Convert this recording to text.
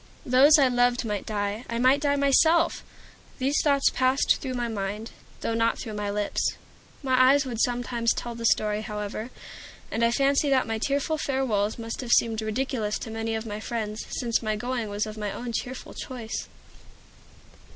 Those I loved might die; I might die myself. These thoughts passed through my mind, though not through my lips. My eyes would sometimes tell the story, however, and I fancy that my tearful farewells must have seemed ridiculous to many of my friends, since my going was of my own cheerful choice.